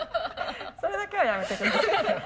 それだけはやめて下さい。